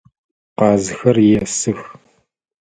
Къазхэр есых.